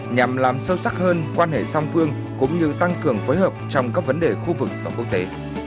nhằm làm sâu sắc hơn quan hệ song phương cũng như tăng cường phối hợp trong các vấn đề khu vực và quốc tế